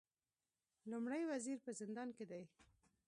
لومړی وزیر په زندان کې دی